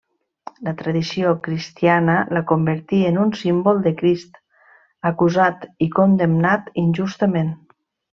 La tradició cristiana la convertí en un símbol de Crist, acusat i condemnat injustament.